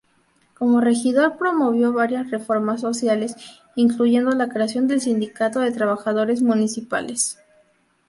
Como regidor promovió varias reformas sociales incluyendo la creación del Sindicato de Trabajadores Municipales.